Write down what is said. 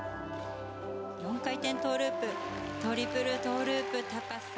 ４回転トーループ、トリプルトーループ、高さ。